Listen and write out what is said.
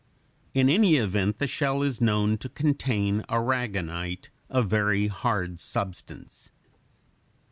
In any event the shell is known to contain aragonite, a very hard substance.